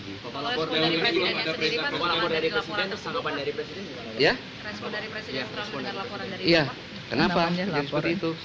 kalau lapor dari presidennya sendiri lalu lapor dari laporan dari presidennya sendiri